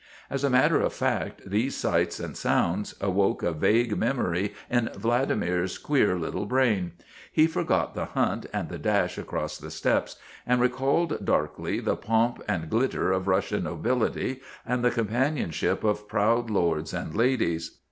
As a matter of fact, these sights and sounds awoke a vague memory in Vladimir's queer little brain. He forgot the hunt and the dash across the steppes, and recalled darkly the pomp and glit ter of Russian nobility and the companionship of proud lords and ladies.